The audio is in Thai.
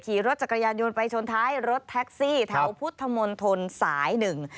ขี่รถจักรยานยนต์ไปชนท้ายรถแท็กซี่แถวพุทธมนตรสายหนึ่ง